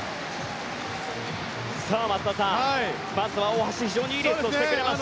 松田さん、まずは大橋非常にいいレースをしてくれました。